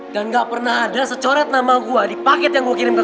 dan ga pernah ada secoret nama gue di paket yang gue kirim ke sana